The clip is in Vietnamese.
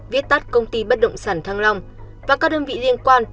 viết tắt công ty bất động sản thăng long và các đơn vị liên quan